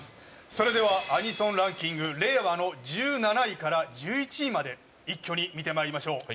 それでは、アニソンランキング令和の１７位から１１位まで一挙に見てまいりましょう。